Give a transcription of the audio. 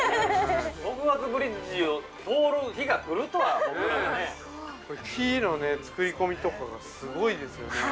◆ホグワーツ・ブリッジを通る日が来るとは、僕らがね。◆木の作り込みとかがすごいですよね。